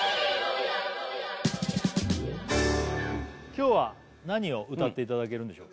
今日は何を歌っていただけるんでしょう？